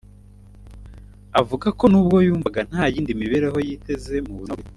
Avuga ko n’ubwo yumvaga nta yindi mibereho yiteze mu buzima bwe